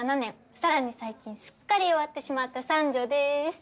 更に最近すっかり弱ってしまった三女です。